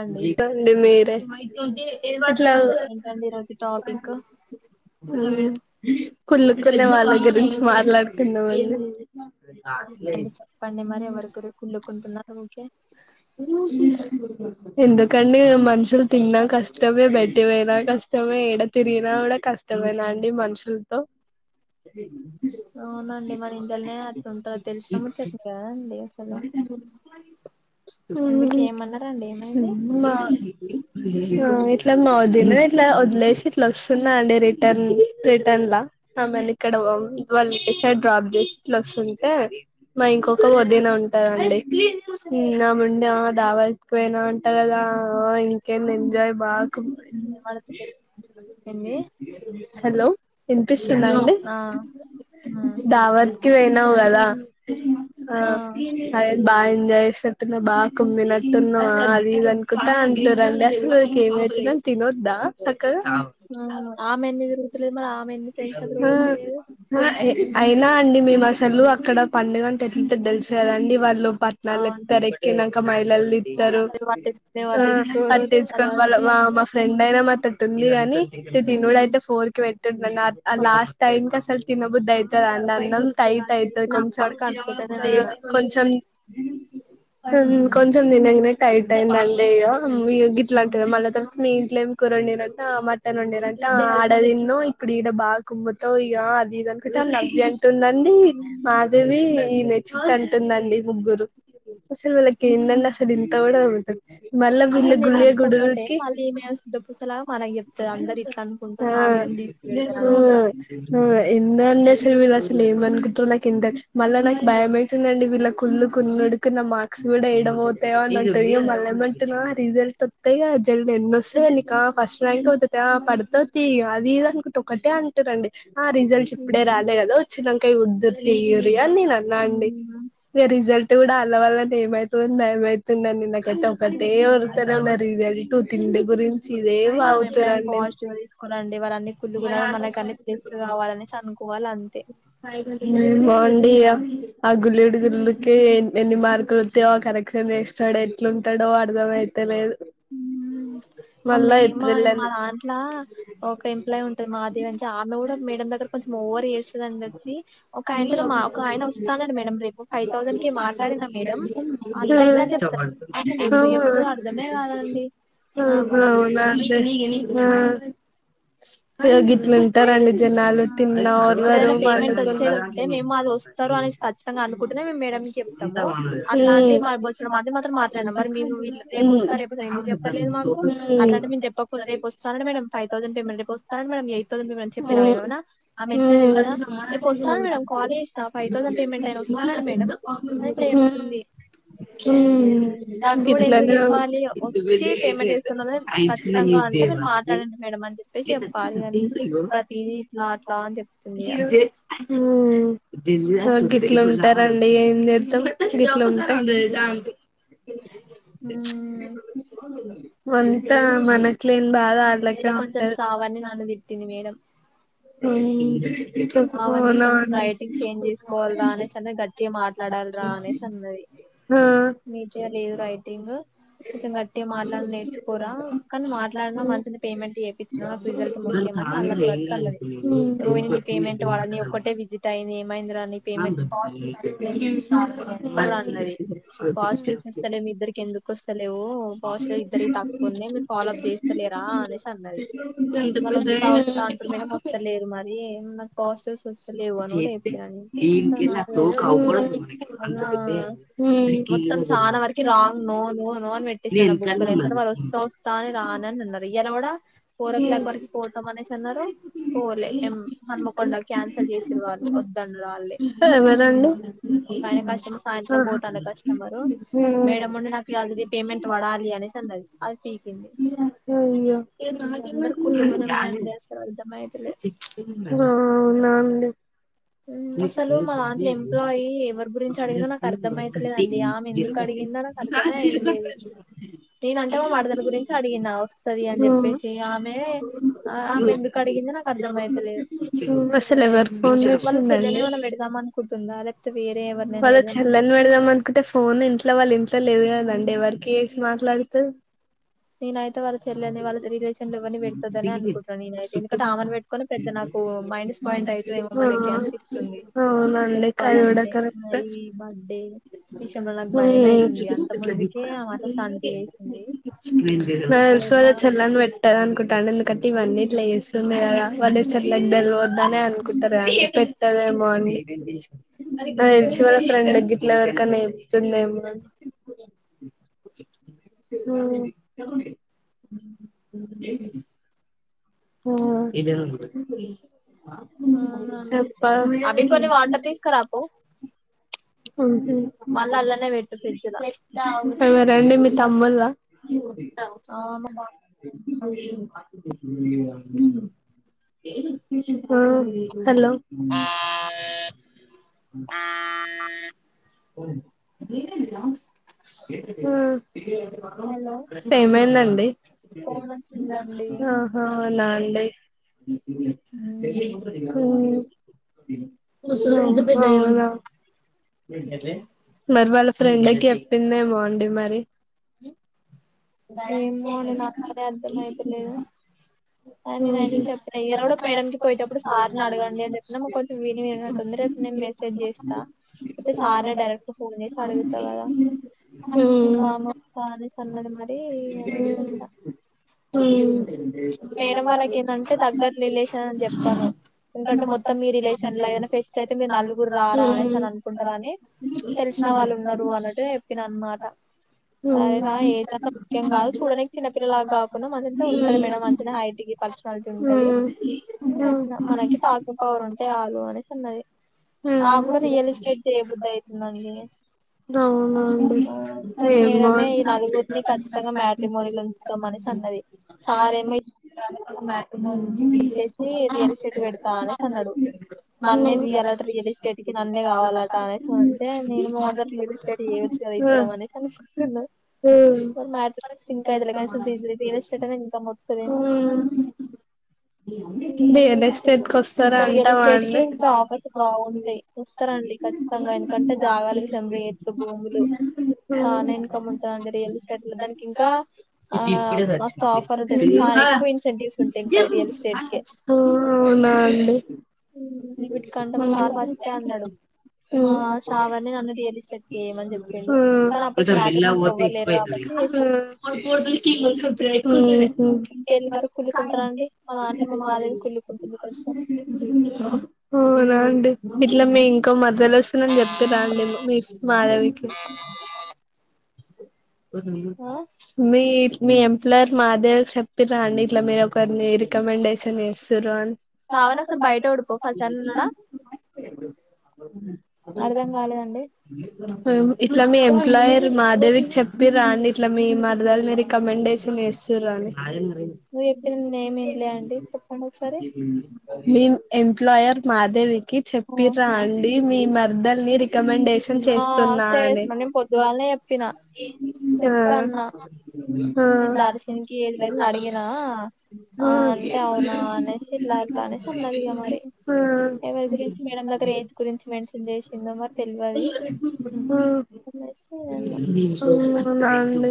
అండి టాండి మీరే ఏంటండి ఈరోజు టాపిక్ కుళ్ళుకునే వాళ్ళ గురించి మాట్లాడుతున్నం అండి కుంటున్నార్ ఓకే [inaudible] ఎందుకండి ఇగ మనుష్ తిన్న కష్టమే బే బయటి పోయిన కష్టమే ఇడా తిరిగినా కూడా కష్టమేనా అండి మనుషులతో అవునండి మరి ఇంకల్నే అట్లుంటారు తెలుసాము చెప్ కదండి అసలు ఎందుకు ఏమన్నారండి ఏమైంది మ్మ్ మా హ్ ఇట్లా మా వొదిన ఇట్ల వొద్లే సి ఇట్లా వస్తున్నా అండి రిటన్ రిటర్న్ ల ఆమె నీ ఇక్కడ వన్డే డ్రాప్ చేసి ఇట్లా వస్తుంటే మా ఇంకొక వదిన ఉంటందండి నా ముందే ఆ దావత్ పోయానా అంటా కదా హా ఇంకేం ఎంజాయ్ బా వినపడతలేదు. ఏంది ఆ ఉమ్, దావత్కిి పోయినాం కదా అ ఆ అదే బా ఎంజాయ్ చేస్ అట్టునే బా కమ్మిన ట్ టున్నా ఆ ఇది అనుకుంటా అందులో రండిసలు ఏమవుతదని తినొద్దా సక్క ఉమ్, ఆమె ఎందుకు తిరుగుతలేదు మరి ఆమె ఎందుకు ఫ్రెండ్స్ దగ్గర పోతలేదు గా అయినా అండి మేం అస్ అసలు అక్కడ పండుగ అని ఎట్లుంటది తెలుసు కదండి వాళ్ళు పట్నాల అవును క్ డెక్కి నాంక మైలల్ నీ తారు పట్టించుకునే పట్టించుకోరు అది తెచ్చుకోని వాళ్ళ తర్వాతకి మా మా ఫ్రెండ్ అయినా మా అంతట్ ఉంది అని తినుడు ఉమ్, అయితే ఫోర్ కి పెట్టాడుండి ఓకే, లాస్ట్ టైం క అసలు తినబుద్దు అయితదా అండి అన్నం ఓకే, ఆ టైట్ అయితది తెలిసిన కొంచెం అప్పటికి అనుకుంటనే ఉన్నా కొంచం హ్మ్ కొంచెం దినగనే టైట్ అయిందండియ్యో మ్మ్ గిట్లా అంటివా మళ్ళ తర్వాత్ మీ ఇంట్ల ఏం కుర నీర్ అట మట్ టను వండిరాటా ఆడదిన్నోయి ఇప్పుడు ఈడ బా కుమ్ము తో ఇగ ఆది ఇదో న్ ఒకట న్అర్జెంట్ ఉందండి మాదవి ఈ నెచ్చు కన్ టుదండి ముగ్గురు అసలు వీళ్ళకి ఏందళ్ళ అసలు ఇంత కూడా ఉండదు‌ మళ్ళ వీళ్ళ అసలు గుల్లే వీళ్ళంతా ఒక్కటే గుండుకి, మళ్ళీ ఈమె శుద్ధ పూసలాగా మనకి చెప్తది అందరు ఇట్లా అనుకుంటారు ఆ నా మీదనే మ్మ్ తీసి పెడతారు అన్నట్టుగా మ్మ్ మ్యానర్స్ అనేది అసలు ఏమనుకుంటరో నాకు ఎంతక్ మళ్ళా నాకు భయమయితుందండి వీళ్ళకు కుల్లు కున్నడు కేనమ్మ కూడా ఏడ పోతయో [inaudible] మళ్ళ ఏమంటున్నవో రిజల్ట్ త్తయో జల్ నిన్నొస్తే నికా ఫస్ట్ ర్యాంక్ ఆ పడుతది తీయి అది ఇది అనుకుంటే ఒకటే అంటురండి. ఆ రిజల్ట్ ఇప్పుడే రాలే కదా వచ్చినంక జుద్దురు తియ్యుర్రి అని నేను అన్నా అండి. రిజల్ట్ కూడా తర్వాత ఏమైతదో అని భయమై తుందండి నిన్న కతం ఒక్కటే ఒర్లుతనే ఉన్న రిజల్టు తిండి గురిం ఇదే మనం ఎప్పుడైనా వాగుతారండి. పాజిటివ్ తీసుకోవాలండి వాళ్ళన్ని కుళ్ళు గుణాలు మనకు అన్ని ప్లస్ కావాలనేసి అనుకోవాలి అంతే బాగుండియా ఆ గుల్లేడు గుల్లుకే ఎన్ని మార్కులొత్తాయో కరెక్షన్ చేస్తడు ఎట్లుంటాడో అర్ధం అయితలేదు. మ్మూ మమే మళ్ళా మా ఏప్రిల్ ఎన్ మా దాంట్ల ఒక ఎంప్లాయీ ఉంటది మా దేవి అంచి ఆమె కూడా మేడం దగ్గర కొంచెం ఓవర్ చేస్తదని జెప్పి ఒక ఆయనతో మా ఒక అవునా ఆయన వస్తాన్నాడు మేడం రేపు ఫైవ్ థౌసండ్ కి మా మ్మ్ అవునా మే కాదండి నాకు గూడ. ఇగో గిట్లుంటారండి జనాలు తిన్నా ఇప్పుడు ఓర్వరు ఏదైనా పేమెంట్ పండుకున్న వచ్చేది ఉంటే మేము అది వస్తారు అనేసి ఖచ్చితంగా అనుకుంటేనే మేము మేడం కి చెప్తమూ అట్లా అంటే మా బొచ్చెడు మంది మాతోని మాట్లాడినం మరి మేం వీరిల రేపు ఒత్త అని లేపోతె ఎందుకు చెప్పట్లేదు మాకు‌. అట్లా అంటే మేం చెప్పక పోదుమా రేపు వస్తాడంట మేడం ఫైవ్ థౌసండ్ పేమెంట్ రేప్ తానని మేడం ఎయిట్ తౌసండ్ పేమెంట్ చెప్పినవ ఏవన్నా ఆమెట్ల తెల్సా రేపు వస్తాను మేడం కాల్ చేస్తా ఫైవ్ తౌసండ్ పేమెంట్ అయిన వస్తునడంట మేడం అట్ల చెప్తుంది మ్మ్ ఏ మ్మ్ నాకు కూడా ఎందుకు గిట్లనే చెప్పాలి, వచ్చి పేమెంట్ చెస్తున్నదని ఖచ్చితంగా అంటే మీరు మాట్లాడండి మేడం అని చెప్పేసి చెప్పాలి అని ప్రతిదీ ఇట్లా అట్లా అని చెప్తుంది ఇగ మ్మ్ గిట్ల ఉంటరం ఏం జేత్తం గిట్ల ఉంటం [inaudible] మ్మ్ అంత మన ఇట్లెం బాగా ఆట్లకే ఇలా కొంచెం ఉంటద్ శ్రావణి నన్ను తిట్టింది మేడం మ్మ్ శ్రావణి అవునా కొంచెం రైటింగ్ చేంజ్ చేసుకోవాలిరా అనేసి అన్నది గట్టిగా మాట్లాడాలిరా అనేసి అన్నది ఆ నీట్గా లేదు రైటింగ్ కొంచెం గట్టిగా మాట్లాడుడు నేర్చుకోరా, కాని మాట్లాడినవ్ మంత్ పేమెంట్ చేపించిన నాకు రిజల్ట్ ముఖ్యమని మళ్ళ కట్టు అన్నది. రోహిణీ పేమెంట్ వాళ్ళని ఒక్కటే విజిట్ అయ్యింది ఏమైందిరా నీ పేమెం హు మ పాజిటివ్స్ వస్తలే మీ ఇద్దరికి స ఎందుకు వస్తలేవు పోస్టర్ ఇద్దరికి తక్కువున్నాయి మీరు ఫాలో అప్ చేస్తలేరా అనేసి అన్నది మళ్ళ వే థట్స్ అంటారు మేడం వస్తలేరు మరి నాకు పోస్టర్స్ వస్తలేవు అని కూడా చెప్ప అని చాలా వరకి రాంగ్ నో హు నో అని పెట్టిసిన బుక్లుే ఎందుకంటే వాళ్ళు వస్తా వస్తా అని రాననన్నారు ఇలా కూడా ఫోర్ ఓ క్లాక్ వరకు పోతం అనేసి అన్నారు పోలేం హన్మకొండ క్యాన్సల్ చేసిర్రు వాళ్ళు వద్దన్నారు రా ఎవరండి వాళ్ళ ఆయన కస్టమర్ సాయంత్రం పోతానే కస్టమర్ మేడం ఉండి నాకు అది పేమెంట్ పడాలి అనేసి అన్నది అది పీకింది అయ్యో అందరు హు కుట్లుగనమే అండి అసలు అర్థమైతలే అవునా డి అసలు మా దాంట్లో ఎంప్లాయి ఎవరి గురించి అడిగిందో నాకు అర్థమయితలేదండి ఆమె ఎందుకు అడిగిందో నాకు అర్థమే అయితలేదు నేనంటే మా మరదల గురించి అడిగిన వస్తది అని చెప్పేసి ఆమె ఆమె ఎందుకు అడిగిందో హు నాకు అర్థమయితలేదు అసలేవరికి ఫో వాళ్ళ చెల్లెని తుందండి ఏమన్నా పెడదాం అనుకుంటుందా లేకపోతే వేరే ఎవరినైనా వాళ్ళ పెడదాం చెల్లని పెడదాం అనుకుంటే ఫోన్ ఏ ఇంట్ల వాళ్ ఇంట్ ట్ల లేదు కదండి అనుకుంటుందా ఎవరికి చేసి మాట్ ట్లాడుతవ్ నేనైతే వాళ్ళ చెల్లెని వాళ్ళ రిలేషన్ లో ఎవర్ని పెట్టొద్దనే అనుకుంటున్న నేనైతే క్కడ ఆమన్ పెట్టుకుని పెద్ద నాకు మైనస్ పాయింట్ అవుతదేమో మనకి అనిపిస్తుంది ఆ అవునండి అది కూడా చెప్పాలంటే మరి కరెక్టే బర్త్డే విషయంల నాకు భయం అయితుంది అంత ముందుకే ఆమె అంత స్టంట్ చేసింది నాకు ఇప్పుడు తెల్సి వాళ్ళ ఎట్లా చెల్లెని పెట్టదనుకుంట అండి ఎందుక ఇవన్నీట్ల చెస్ స్తుంది కదా వాల్ చెల్లెకు తెలవొద్దనే అనుకుంటారు గా అండి పెట్టదేమో అని నాకు తెలిసిి వాళ్ళ ఫ్రెండ్డిగ్గిట్ల ఎవరికన్న చెప్తుందేమో హు హు ఆ అవునండి చెప్పాలి అవి కొన్ని వాటర్ తీసుకురాపో మ్ హు మళ్ళీ అల్లనే పెట్టు ఫ్రిడ్జ్ ల ఎవరండీ మిక్ తమ్ముల్లా ఇ విష ఆ హలో హ్ ఆ అేనన్నా హలో ఏమైందండి ఫోన్ వచ్చిందండి హ్ ఇ [unintelligible] మరి వాల్ల ఫ్రెండ్కి చెప్పింద ఏమో అండి మరి ఏమో అండి అది నాకు అదే అర్థం అయితలేదు. అని నేను మ్మ్ చెప్పాలే ఇగ [unintelligible] పోయేటప్పుడు సార్ని అడగండి. అని చెప్పిన మాకు కొంచెం విని వినట్టుంది. రేపు నేను మెసేజ్ చేస్తా అయితే సార్ని డైరెక్ట్ ఫోన్ చేసి అడుగుతా కదా ఒక [unintelligible] న్నది మరీ అనేసి ఉంట మ్మ్ మేడం వాళ్ళకి ఏంటంటే దగ్గర రిలేషన్ అని చెప్పాను. ఎందుకంటే మొత్తం మీ రిలేషన్ల ఏదైనా ఫెస్ట్ అయితే మీరు నలుగురు రారా అనేసి అని అనుకుంటారు. అని తెలిసిన వాళ్ళు ఉన్నారు. అన్నట్టు గా చెప్పిన అన్న మాట సరేరా ఏద ముఖ్యం కాదు. చూడనికి చిన్నపిల్లలాగా కాకుండా మనెంత ఉంటది. మేడాం మంచిగానే హైట్ పర్సనాలిటీ ఉంటది. మనకి టాకింగ్ పవర్ ఉంటే చాలు అనేసి ఆ. నాకు కూడా రియల్ ఎస్టేట్ చేయబుద్ధి అయి తుంది అండి అవునా కానీ మేడమే ఈ నలుగురిని క ఖచ్చితంగా మ్యాట్రిమోనిలో చుత్త మనేసి అన్నది. సారేమో అ మాట వచ్చేసి రియల్ ఎస్టేట్ పెడతా అనేసి అన్నాడు. నన్నే రీయ్యాలట రియల్ ఎస్టేట్ కి నన్నే కావాలట అనేసి అంటే నేను మా [unintelligible] రియల్స్టేట్ [unintelligible] ఇద్దరం అనేసి అనుకుంటున్నా మరి మ్యాటర్ సింక్ అయితలే కనీసం హ్ రియల్ ఎస్టేట్ అనేది ఇన్కమ్ వత్తదేమో అందుకని రియల్ ఎక్స్టేట్ చేసుకున్నా కు వస్తారా ఇంకా రియల్ అంటామా ఎస్టేట్ కి అండి. ఇంకా ఆఫర్స్ బాగుంటాయి వస్తారండి ఖచ్చితంగా ఎందుకంటే జాగాల విషయం రేట్లు భూములు చాలా ఇన్కమ్ ఉంటదండి రియల్ ఎస్టేట్ లో దానికి ఇంకా ఆ ఇ మస్తు ఆఫర్ ఉంటది చాలా ఎక్కువ ఇన్సెంటివ్స్ ఇప్పుడచ్చ ఉంటాయి ఇంకా రియల్ ఎస్టేట్ కి అవునా అండి వీటికంటే మా సార్ ఫస్టే అన్నాడు హ్ మా శ్రావణి నన్ను రియల్ ఎస్టేట్ కి ఏయమని హ్ చెప్పిండు కానీ అప్పటికి మ్యాట్రిమోనికి ఎవ్వరు ఆ హ్ లేరు కాబట్టి ఉహ్ ఇంకెళ్ళి వరకు కుళ్ళుకుంటారండి మా దాంట్లో మా మాధవి కుళ్ళుకుంటుంది కొంచెం అవునా అండి. ఇట్లా మీ ఇంకో మర్ దలు ఓస్తుందని. చెప్పిర్రా అండి మీ మాధేవికి ఆ మీ మీ ఎంప్లయర్ మదేవీ చెప్పిర్ర అండి ఇట్లా మీరు ఒకరినీ రికమెండేషన్ చేస్తుర్రు అని శ్రావణి స్ార్ ఒకసారి బయట ఊడిపో ఫస్ట్ అని అన్నాడా హ్ అర్థం కాలేదండి ఇట్లా మీ ఎంప్లాయర్ మాధేవికి చెప్ మీరా అండి. ఇట్లా మీ మరదలుని రికమెండేషన్ చేస్ నువ్వు చెప్పింది నేను ఏమి వినలే అండి చెప్పండి ఒకసారి మిం ఎంప్లాయర్ మాధేవి కి ఆ చెప్పిరా అండి మీ మరదల్ని రికమండేషన్ ఆ చేసి నా నేను పొద్దుగాళ్లనే చెప్పినా ఆ ఆ ఇట్లా అరిచేనికి ఏజ్ లేదని అడిగినా ఆ అంటే అవునా అనేసి ఇట్లా అట్లా అనేసి అన్నది ఇగ మరి ఎవరి గురించి మేడం దగ్గర ఏజ్ గురించి మెన్షన్ చేసిందో మరి తెల్వది [inaudible] అనేసి అన్న. వుండి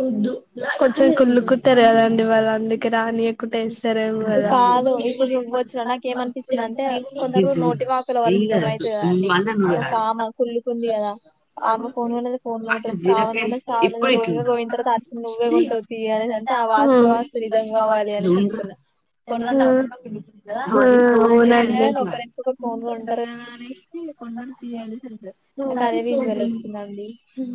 వద్దు కొంచెం కుళ్లు కుంటారు కదండీ వాళ్ళందు రాని ఎకుటే కాదు ఇప్పుడు నువ్వు వచ్చిన నాక ఏమనిపిస్తుంది అంటే కొందరు నోటి వాక్కుల వాళ్ల నిజం అవుతుంది కదండి ఒక ఆమె కుళ్ళకుంది కదా ఆమె ఫోన్ అనేది ఫోన్ తర్త చావనున్నా చవాల రయి రోయిన తర్వాత అచంది నువ్వే కొంటవుత అనేసి అంటే ఆ వాస్తు వాస్తు నిజం కావాలి అనేసి అనుకున్నా [unintelligible] మన చెప్తుినా కా ఒక రైపు ఒక ఫోన్ కొంటారు అనేసి కొంటారు నాకదే విజువల్ వచ్చింద అండి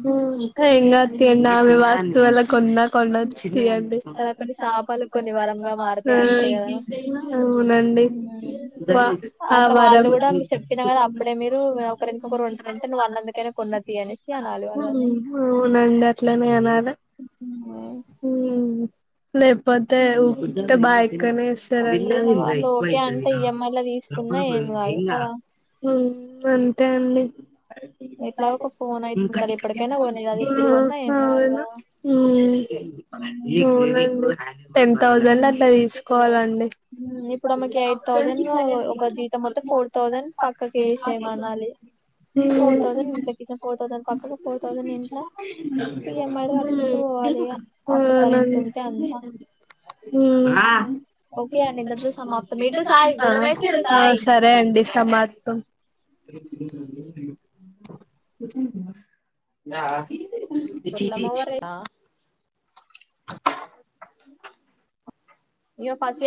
హా ఇంకా ఇంగ అతి ఆమె వాస్తవ ఎలా కొన్నా కొండొచ్చి తీయండి కదా కొన్ని శాపాలు కొన్ని వరంగా మారతాయి అంటారు కదా అవునండి ఆ అట్లా వరం వాళ్ళు కూడా మీరు చెప్పినా కదా అప్పుడే మీరు ఒకరినకొకరు ఉంటారంటే నువ్వు అన్నందుకైనా కొన్న తీ అనేసి అనాలి వాళ్ళని అవునండి అట్లనేే అనాల హ్మ్. హ లేపోతే ఉంట బాయ్ ఒకవేళ వాళ్ళు ఓకే అంటే ఈఎంఐ లో తీసుకున్నా ఏం కాదు కదా [unintelligible] అంతే అండి ఎట్లాగో ఒక ఫోన్ అయితే కటి ఉండాలి ఎప్పటికైనా కొనేది అది ఇప్పుడు కొన్నా హామ్ ఏం కాదు అవును కదా మే టెన్ థౌజండ్ అట్లా తీసుకోవాలం ఇప్పుడు ఆమెకి ఎయిట్ థౌసండ్ ఒక జీతం మొత్తం ఫోర్ థౌసండ్ పక్కకి వేసేమనాలి ఒక ఫోర్ థౌసండ్ ఇట్లకి ఫోర్ థౌసండ్ పక్కకు ఫోర్ థౌజండ్ ఇంట్ల ఈఎంఐ లో కట్టుకుంటూ పోవాలి ఇగ ఒక్కసారి ఇంత ఉంటే అంత హ్మ్మ్ హ్మ్మ్ ఓకే అండి ఇంతటితో సమాప్తం ఇటు సాయి గొల్లమేషిర్రు సాయి సరే అండి సమాప్తం [inaudible] [unintelligible] కొల్మ మవరే [unintelligible]